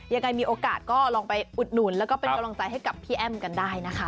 ยังไงมีโอกาสก็ลองไปอุดหนุนแล้วก็เป็นกำลังใจให้กับพี่แอ้มกันได้นะคะ